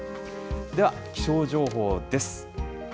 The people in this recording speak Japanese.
では気象情報です。